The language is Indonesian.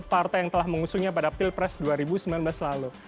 partai yang telah mengusungnya pada pilpres dua ribu sembilan belas lalu